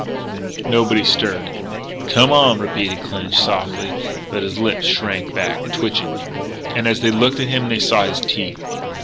Nobody stirred. "Come on," repeated Clinch softly. But his lips shrank back, twitching. As they looked at him they saw his teeth.